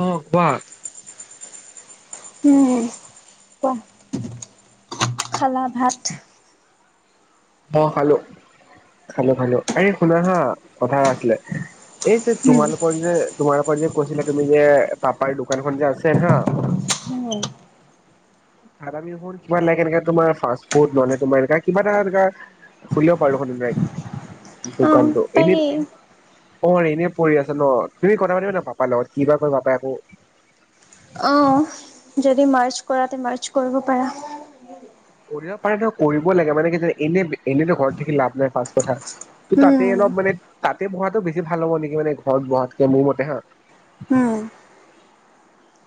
অ', কোৱা। উম, কোৱা। খালা ভাত? অ', খালো, খালো, খালো এই শুনা হা কথা এটা আছিলে। এই যে তোমালোকৰ যে তোমাৰ যে কৈছিলা তুমি যে পাপাৰ দোকানখন যে আছে হা উম। তাত আমি দে কিবা লে এনে তোমাৰ ফা ফুড মানে তোমাৰ এনে কিবা এটা এনো খুলিব পাৰো দোকান। অ', পাৰি অ', এনেই পৰি আছে ন' তুমি কথা পাতিবা না পাপাৰ লগত কি বা কয় পাপাই আকৌ। অ', যদি মাৰ্ছ কৰা তে মাৰ্চ কৰিব পাৰা। কৰিব পাৰে ন' কৰিব লাগে মানে কি এনে এনেতো ঘৰত থাকি লাভ নাই ফাৰ্ষ্ট কথা। ত' তাতে উম, অলপ মানে তাতে বহাতটো বেছি ভাল হ'ব নেকি মানে ঘৰত বহাতকে মোৰ মতে হা। উম,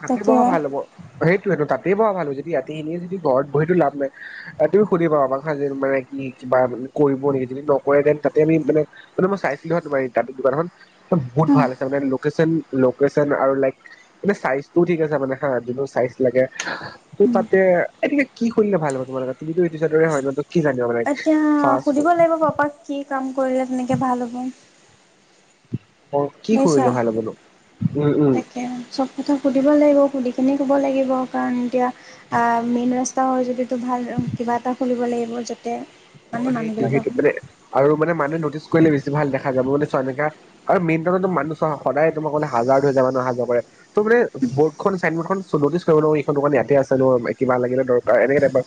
তাতে তাকে। বহা ভাল হ'ব, সেই তাতেই বহা ভালো যদি ৰায়াতিখিনিয়ে যদি ঘৰত বহিতটো লাভ নাই তুমি সুধিবা আমাক হা যে মানে কি কিবা কৰিব নেকি যদি নকৰে দেন তাতে আমি মানে মানে মই চাইছিলো তমাৰ তা দোকানখন বহুত ভাল আছে মানে লেকেচন আৰু লাইক মে চাই ত' ঠিক আছে মানে হা যোনটো চাইজ লাগে ত তাতে এতি কি খুলিলে ভাল হ'ব তোমাৰোকে তুমিতো ইতিছ দৰে হয় ন' কি জানিবা মানে এতিয়া ফাষ্ট সুধিব লাগিব পাপাক কি কাম কৰিলে তেনেকে ভাল হ'ব। ফুড কি বাইছা কৰিলে ভাল হ'বনো উম উম তাকে চব কথা সুধিব লাগিব সুধি এিনি ক'ব লাগিব কাৰণ এতিয়া মেইন ৰাস্তা হয় যদিিতো ভাল কিবা এটা খুলিব লাগিব যাতে মানে অ', সেইটো, মানুহবিলাকক সেইটো মানে আৰু মানে মানে পিছ কৰিলেছি ভাল দেখা যাব মান চোৱা এনেকা আৰু মেইত মানুহ চ সদায় তোমাক ক'লে হাজাৰ দুহ হাজাৰ মানুহ অহা য পাৰে ত মানে বৰ্ড চাইন বৰ্ ন কৰিব ন এইখনোক ইয়াতে আছে ন কা লাগে দকাৰ এনেকে টাইপৰ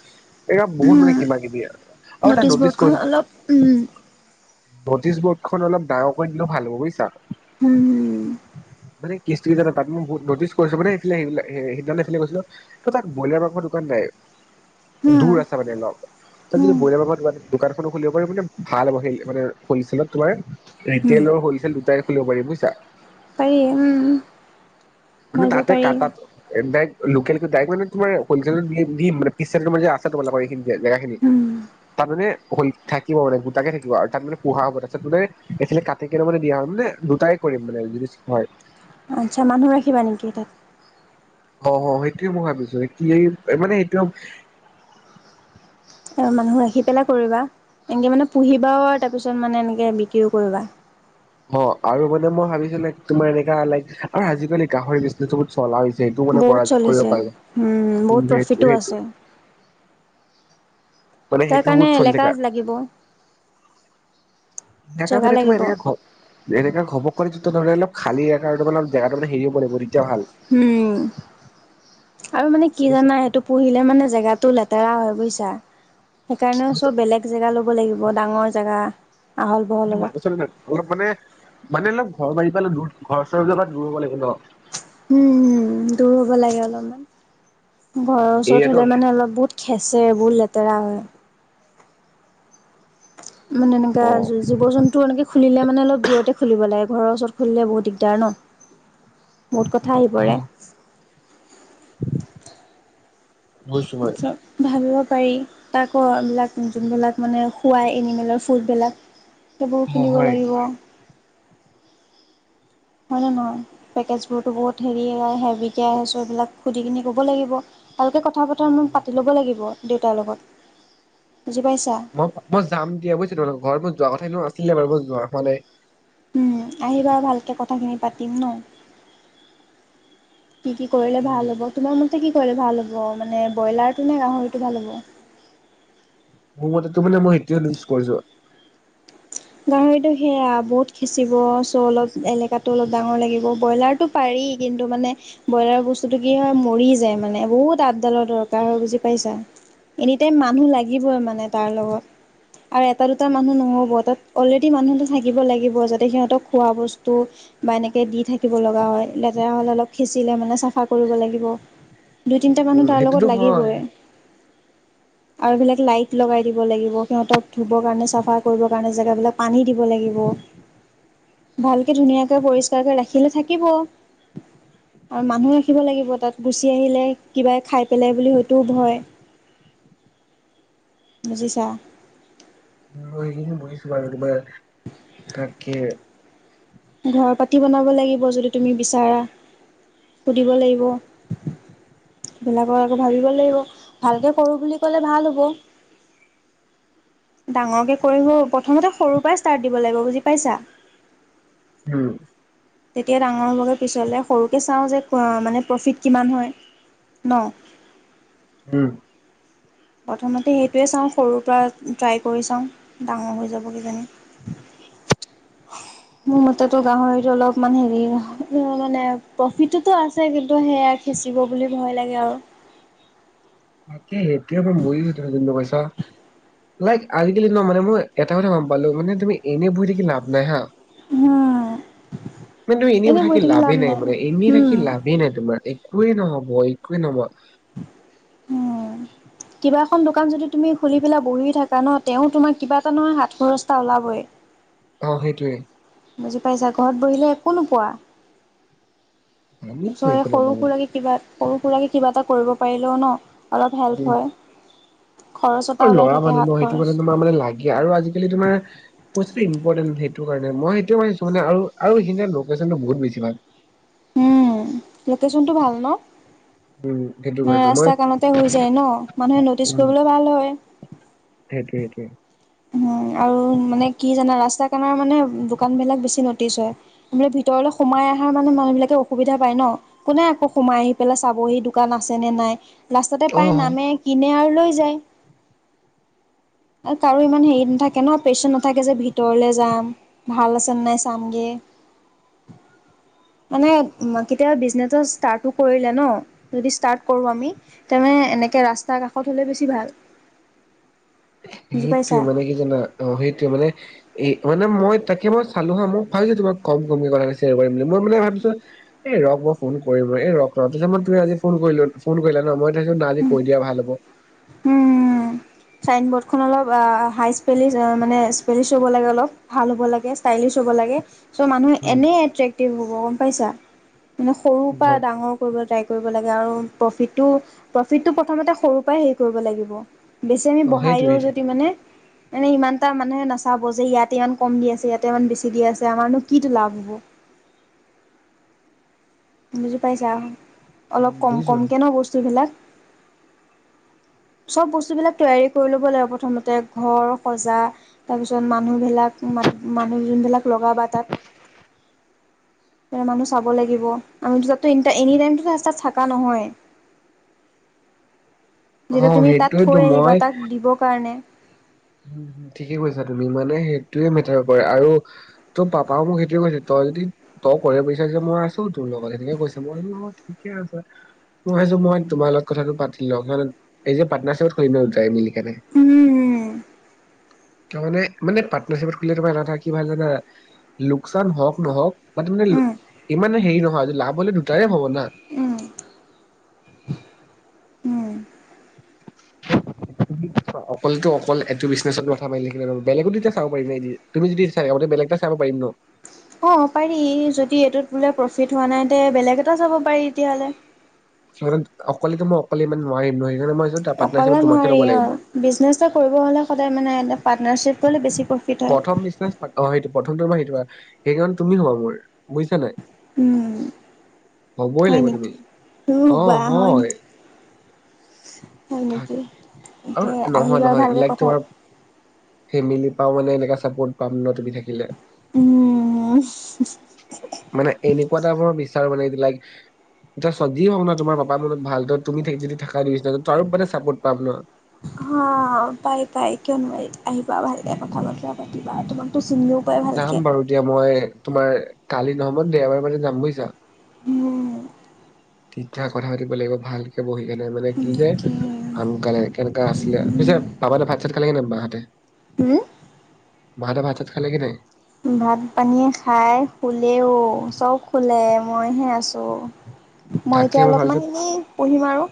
এ বহুত মান কিবা কিবি আৰু এটা ন'টিছ নটিচ ব'ৰ্ডখন কৰি অলপ নটিচ ব'ৰ্ড খন অলপ ডাঙৰক দিলে ভাল হ'ব বুজিছা উম, মানে কিস্ত কি জানা তাত মই বহুত নটিছ কৰিছো মানেফালে সেইবিলাক সেইদিনাফালে কৈছিলো ত তাত ব্ৰইলাৰ মাংসৰ দোকান নাই দূৰ উম, আছে মানে অলপ তাত উম, য বইলাৰ দোকান খো খুলিব পাৰি মানে ভাল মানে হললত তোমাৰ উম, ৰিটেল আৰু হোলচেল দুটাই খুলিব পাৰি বুজিছা। পাৰি উম। মানে ভাবিব তাতে পাৰি। কাটাত এ বে লোকেল ডট মানে তোমাৰ [unintelligible] তোমালোকৰ জেগাখিনি উম, তাত মানে হ' থাকিব মানে গোটাকে থাকিব আৰু তাত মানে পোহা হ'ব তাৰপিছত মানে এইফালে কাটি কেনে মানে দিয়া হ মানে দুটাই কৰিম মানে যদি হয়। আচ্ছা মানুহ ৰাখিবা নেকি তাত? অ', সেইটোৱে মই ভাবিছো কি এই মানে সেইটো মানুহ আহি পেলাই কৰিবা এনেকৈ মানে পুহিবাও আৰু তাৰপিছত মানে এনেকৈ বিক্ৰীও কৰিবা। অ', আৰু মানে মই ভাবিছো লাইক তোমাৰ এনেকা লাইক আৰু আজিকালি গাহৰি বিজনেচ বহুত চলা হৈছে। সেইটো মানে কৰা বহুত কৰিব চলিছে পাৰি উম, বহুত সেইটো প্ৰফিটো সেইটো আছে। মানে তাৰ সেইটো কাৰণে বহুত চলি এলেকা থাকা লাগিব। এনেকা জেগা মানে তোমাৰ লাগিব। এনেকাে ঘ এনেকা ঘব কৰি যিটো ধৰি অলপ খালি আকাৰটোবলব জেগাটো মানে হেৰি হ'ব পৰা নাই মই [unintelligible] উম আৰু মানে কি জানা বুজিছা। সেইটো পুহিলে মানে জেগাতটো লেত তেৰা হয় বুজিছা। সেইকাৰণেও চব বেলেগ জেগা ল'ব লাগি বৰ ডাঙৰ জেগা আহল বহল অলপ, মনুহ চানুহ অলপ মানে মানে অলপ ঘৰ বাৰীৰ পৰা দূৰ ঘৰ চৰ বিলাক দূৰ হবা হ' উম হম দূৰ হ'ব লাগে অলপমান ঘৰৰ ওচৰত এৰিয়াটো হ'লে মানে অলপ বহুত খেচে বহু ল তেৰা হয় মানে এনেকা অ', জীৱ জন্তু এনেকৈ খুলিলে মানে অলপ দূৰতে খুলিব লাগে ঘৰৰ ওচৰত খুলিলে বহুত দিগদাৰ ন বহুত কথা আহি পৰে অ', বুজিছো মই আচছ ভাল পাৰি তাকো হোৱা বিলাক যোনবিলাক মানে খোৱা এনিমেলৰ খুদ বিলাক সেইবোৰ অ', কিনিব হয়। লাগিব হয় ন নহয় পেকেজবোৰতো বহুত হেৰি হেভিকে আহিছো এইবিলাক সুধিনি ক'ব লাগিব ভালকৈ কথা অ', বতৰা মোক হয় পাতি ল'ব লাগিব দেউতাৰ লগত বুজি পাইছা? মই মই যাম দিয়া বুইছ তহঁতৰ ঘৰ মই যোৱা কথা এনেও আছিলে বাৰু মই যোৱা হোৱা নাই উম আহিবা ভালকে কথাখিনি পাতিম ন কি কি কৰিলে উম, ভাল হ'ব তোমাৰ ম মতে কি কলে ভাল হ'ব মানে ব্ৰইলাৰটো নে গাহৰিটো ভাল হ'ব মোৰ মতেতো মানে মই সেইটোৱে লিজ কৰিছো হয়টো সেয়া বহুত খিঁচিব চ' অলপ এলেকাতো অলপ ডাঙৰ লাগিব ব্ৰইলাৰটো পাৰি কিন্তু মানে ব্ৰইলাৰ বস্তুটো কি হয় মৰি যায় মানে বহুত আপডালৰ দৰকাৰ হয় বুজি পাইছা এনি টাইম মানুহ লাগিবই মানে তাৰ লগত আৰু এটা দুটা মানুহ নহ'ব তাত অলৰেডি মানুহ এটা থাকিব লাগিব যাতে সিহঁতক খোৱা বস্তু বা এনেকে দি থাকিব লগা হয় লেতেৰা হ'লে অলপ খিঁচিলে মানে চাফা কৰিব লাগিব দুই তিনিটা মানুহ উম, তাৰ লগত সেইটোতো হয়। লাগিবই আৰু বিলাক লাইট লগাই দিব লাগিব সিহতক ধুব কাৰণে চাফা কৰিব কাৰণে জেগাবিলাক পানী দিব লাগিব ভালকে ধুনীয়াকে পৰিস্কাৰ কে ৰাখিব ৰাখিলে থাকিব আৰু মানুহ ৰাখিব লাগিব তাত গুচি আহিলে কিবাই খাই পেলাই বুলি হয়তো ভয় বুজিছা মই সেইখিনি বুজিছোঁ বাৰু তোমাৰ তাকে ঘৰ পাতি বনাব লাগিব যদি তুমি বিচাৰা, সুধিব লাগিব, [unintelligible] আকৌ ভাৱিব লাগিব। ভালকে কৰোঁ বুলি কলে ভাল হ'ব। ডাঙৰকে কৰিম ঔ, প্ৰথমতে সৰুৰ পৰাই ষ্টাৰ্ট দিব লাগিব বুজি পাইছা? [inaudible] তেতিয়া ডাঙৰ হ'বগৈ পিছলে, সৰুকে চাওঁ যে মানে প্ৰফিট কিমান হয়, ন? উম। প্ৰথমতে সেইটোৱে চাওঁ সৰুৰ পৰা ট্ৰাই কৰি চাওঁ, ডাঙৰ হৈ যাব কিজানি। মোৰ মতেতো গাহৰি অলপমান হেৰি মানে প্ৰফিটটোতো আছে, কিন্তু সেয়া [unintelligible] বুলি ভয় লাগে আৰু। [unintelligible] লাইক, আজিকালি ন মানে মই এটা কথা গম পালো, মানে তুমি এনেই বহি থাকি লাভ নাই হাঁ। উম, কিন্তু এনেই এনে থাকি বহি লাভে লাভ নাই মানে, এনেই থাকি উম। লাভেই নাই তোমাৰ, একোৱে নহব [inaudible] উ, কিবা এখন দোকান যদি তুমি খুলি পেলা বহি থাকা ন, তেওঁ তোমাৰ কিবা এটা নহয় হাত খৰচ এটা ওলাবই। অ সেইটোৱে বুজি পাইছা, ঘৰত বহিলে একো নোপোৱা। আমি জয়ে একো সৰু নাপাওঁ সুৰাকে কিবা সৰু সুৰাকৈ কিবা এটা কৰিব পাৰিলেও ন? অলপ হেল্প হয়। খৰচ এটা ঐ ওলাই ল'ৰা থাকে মানুহ হাত ন, সেইটো কাৰণে খৰচ। মানে তোমাৰ মানে লাগে আৰু আজিকালি তোমাৰ পচ ইম্পৰ্টেণ্ট সেইটো কাৰণে, মই সেইটোয়ে ভাবিছোঁ মানে আৰু আৰু এইখিনতে লকেছনটো বহুত বেছি ভাল। উম, লোকেশচনটো ভাল ন? উম সেইটো কাৰণে মই ৰাস্তা কানতে হৈ যায় ন, মানুহে নটিচ উম কৰিবলৈ ভাল হয়। [inaudible] উ, আৰু মানে কি জানা ৰাস্তা কানৰ মানে দোকানবিলাক বেছি নটিছ হয়, বোলে ভিতৰলৈ সোমাই অহা মানে মানুহ বিলাকে অসুবিধা পায় ন, কোনে আকৌ সোমাই আহি পেলাই চাবহি দোকান আছে নে নাই ৰাস্তাতে পাই অ নামে, কিনে আও লৈ যায়। কাৰো ইমান হেৰি নাথাকে ন পেচেন নাথাকে যে ভিতৰলে যাম, ভাল আছেনে নাই চামগে, মানে কেতিয়াবা বিজনেটৰ ষ্টাৰ্টটো কৰিলে ন, যদি ষ্টাৰ্ট কৰো আমি, তেনে এনেকে ৰাস্তাৰ কাষত হ'লে বেছি ভাল। বুজি হেইটোৱে পাইছা মানে কি জানা, অ হেইটোৱে মানে এই মানে মই তাকে মই চালো হাঁ মোক ভাবি‌ছোঁ তোমাক [unintelligible] মই মানে ভাবিছোঁ এ ৰক মই ফোন কৰিম ৰখ ৰখ পিছত মই তুমি আজি ফোন কৰিলো ফোন কৰিলা ন মই [unintelligible] না আজি কৈ দিয়া ভাল হ'ব। উম, চাইনবৰ্ডখন অলপ হাই স্পেলিছ মানে স্পেলিছ হ'ব লাগে অলপ, ভাল হ'ব লাগে, ষ্টাইলিছ হ'ব লাগে চ' মানুহে উম এনেই এট্ৰেক্টিভ হ'ব গম পাইছা? সৰুৰ পৰা ডাঙৰ কৰিবলৈ তাইক কৰিব লাগে আৰু প্ৰফিটটো, প্ৰফিটটো প্ৰথমতে সৰুৰ পৰাই হে কৰিব লাগিব। বেছি আমি অ বহাই সেইটোৱে দিওঁ সেইটোৱে। যদি মানে মানে ইমান এটা মানুহে নাচাব, যে ইয়াতে ইমান কম দি আছে, ইয়াতে ইমান বেছি দি আছে আমাৰনো কিটো লাভ হব? বুজি পাইছাঁ? অলপ উম কম বুজিছো কমকে ন বস্তু বিলাক? চব বস্তুবিলাক তৈয়াৰী কৰি ল'ব লাগে প্ৰথমতে, ঘৰ সজা, তাৰ পিছত মানুহবিলাক মাতিূ মানুহ জোনবিলাক লগাবা তাত। ৰ না মোৰ চাব লাগিব। আমি দুটাটো এনিটাই-এনিটাইমটো ৰাস্তাত থকা নহয়ে। অ যেতিয়া তুমি তাত সেইটোৱেতো থৈ আহিবা, মই তাক শুধিবৰ কাৰণে। ঠিকে কৈছা তুমি, মানে সেইটোয়ে মেটাৰ কৰে আৰু তোৰ পাপাও মোক সেইটোয়ে কৈছে, তই যদি তই কৰিব বিচাৰিছ মই আছো তোৰ লগত, সেনেকে কৈছে, মই বুলো মই ঠিকে আছে, মই ভাবিছো মই তোমাৰ লগত কথাটো পাতি লওঁ, এই যে পাৰ্টনাৰশ্বিপত কৰিম ন দুইটাই মিলি। কেনে উম তাৰ মানে, মানে পাৰ্টনাৰশ্বিপত খুলিলে এটা কথা কি ভাল জানা, লোকচান হওঁক নহওঁক বা তোৰ মানে, উম ইমানে হেৰি নহয় যে লাভ হ'লে দুটাৰেই হ'ব না। উম। উম। অকলেতো-অকল এইটো বিজনেচত মাঠা মাৰি থাকিলে নহ'ব, বেলেগতো এতিয়া চাব পাৰি নে কি, তুমি যদি [unintelligible] বেলেগ এটা চাব পাৰিম ন। অ', পাৰি, যদি এইটোত বোলে প্ৰফিট হোৱা নাই, তে বেলেগ এটা চাব পাৰি তেতিয়াহ'লে। তাৰপিছত, অকলে ত', মই অকলে ইমান নোৱাৰিম ন, সেইকাৰণে মই পাৰ্টনাৰশ্বিপত অকলে তোমাকে নোৱাৰি ল'ব লাগিব অ', বিজনেচ এটা কৰিব হ'লে সদায় মানে এটা পাৰ্টনাৰশ্বিপ হ'লে বেছি প্ৰফিট হয় প্ৰথম বিজনেছ, অ', সেইটো প্ৰথম সেইকাৰণে তুমি হবা মোৰ বুজিছা নাই? উম হ'বই হয় লাগিব তুমি নেকি? তোৰ ৰুবা হয় নেকি? [inaudible] আৰু তে নহয় আহিবা নহয় ভালকে লাইক কথা তোমাৰ ফেমিলিত পা মানে এনেকুৱা চাপৰ্ট পাম ন তুমি থাকিলে। উম। মানে এনেকুৱা এটা মই বিচাৰো মানে লাইক এতি যি হওক ন তোমাৰ পাপাৰ মনত ভাল ত তুমি যদি থাকাই বিচৰা ত মানে চাপোৰ্ট পাম ন অ' পাই পাই কিয় নোৱাৰি আহিবা ভালকে কথা বতৰা পাতিবা তোমাক যাম বাৰু দিয়া মই। তোমাৰ কালি নহয়ত দেওবাৰ বজাত যাম বুজিছা উম। তেতিয়া কথা পাতিব লাগিব ভালকে বহি। এনে মানে কি যে তাকে আনকালে কেনেকা আছিলে। পিছে বাবা ভাত চাত খালে নে বা হতে উম মাহতে ভাতাত খাল কি নাই? ভাত পানীয়ে খাই শুলেও। চব শুলে। মইহে আছোঁ। মই তাকে এতিয়া অলপমান ভাবিছো এনে পঢ়িম আৰু।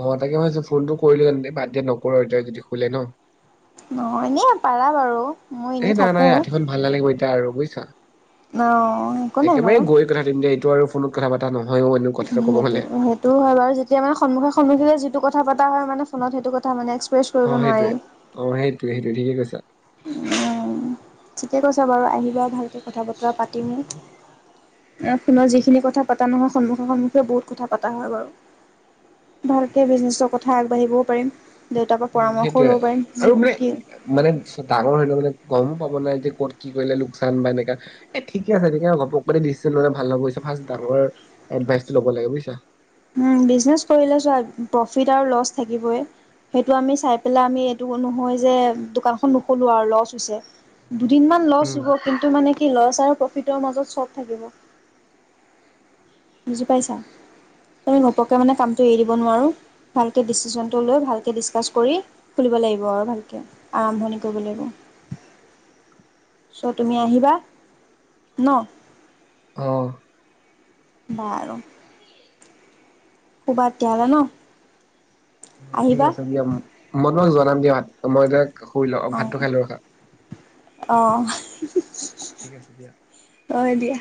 অ', মই তাকে ভাবিছো ফোনটো কৰিলো, বাদ দিয়া নকৰো, এতিয়া যদি শুলে ন'। [unintelligible] পাৰা বাৰু। মই এ এনেই নাই নাই থাকোঁ ৰাতিখন ভাল নালাগিব এতিয়া আৰু বুজিছা। অ একো নাই একেবাৰে গৈ কথা পাতিম দিয়া এইটো আৰু ফোনত কথা পাতা নয? উ সেইটো, সেইটোও হয় বাৰু, যেতিয়া মানে সন্মুখে সন্মুখী যিটো কথা পাতা হয় মানে ফোনত, সেইটো কথা মানে এক্সপ্ৰেছ কৰিব অ', সেইটোৱে, অ', সেইটোৱে সেইটোৱে ঠিকেই কৈছা। ওম, ঠিকে কৈছা বাৰু আহিবা ভালকে কথা বতৰা পাতিম, আহ ফোনত যিখিনি কথা পতা নহয় সন্মুখে সন্মুখে বহুত কথা পতা হয় বাৰু, ভালকে বিজনেচৰ কথা আগবাঢ়িবও পাৰিম। দেউতাৰ পৰা উম পৰামৰ্শও ল'ব সেইটোৱে, পাৰিম যি আৰু মানে কি মানে ডাঙৰ হলে মানে গমো পাব নাই যে ক'ত কি কৰিলে লোকচান বা এনেকা, এ ঠিকে আছে তেতিয়া ঘোপককে ডিচিশন ল'লে ভাল নহ'ব বুজিছা, ৰ্ফাষ্ট ডাঙৰৰ এডভাইচটো ল'ব লাগে বুজিছা। উম, বিজনেছ কৰিলে চোৱা প্ৰফিট আৰু ল'ছ থাকিবই, সেইটো আমি চাই পেলাই আমি এইটো নহয় যে দোকানখন নুখলোঁ আৰু ল'ছ হৈছে। দুদিনমান উম ল'ছ হ'ব কিন্তু মানে কি ল'ছ আৰু প্ৰফিটৰ মাজত চব থাকিব। বুজি পাইছা, তুমি ঘপককে মানে কামটো এৰি দিব নোৱাৰোঁ, ভালকৈ ডিচিশনটো লৈ ভালকৈ ডিছকাছ কৰি খুলিব লাগিব আৰু ভালকৈ আৰম্ভণি কৰিব লাগিব, ছ' তুমি আহিবা ন? অহ। বাৰু। শুবা তেতিয়া হ'লে ন। অ', ঠিক আহিবা আছে দিয়া মই তোক জনাম দিয়াত। মই তাক শুই লোঁও, ভাতটো খাই লোওঁ ৰখা। অ'। ঠিক আছে দিয়া। দিয়া